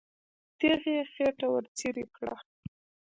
تیغ یې خېټه ورڅېړې کړه.